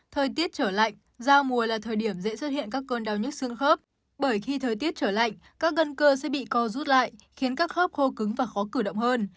thời tiết trở lạnh giao mùa là thời điểm dễ xuất hiện các cơn đau nhức xương khớp bởi khi thời tiết trở lạnh các gân cơ sẽ bị co rút lại khiến các khớp khô cứng và khó cử động hơn